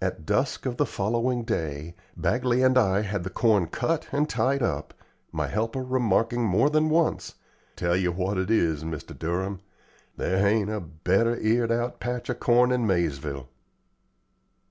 At dusk of the following day, Bagley and I had the corn cut and tied up, my helper remarking more than once, "Tell you what it is, Mr. Durham, there hain't a better eared out patch o' corn in Maizeville."